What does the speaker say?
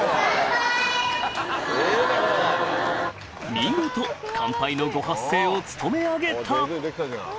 見事乾杯のご発声をつとめ上げた！